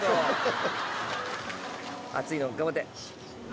熱いの？頑張って。